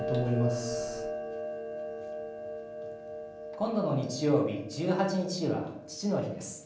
今度の日曜日１８日は父の日です。